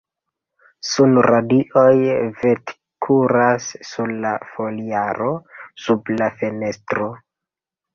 Sunradioj vetkuras sur la foliaro sub la fenestro.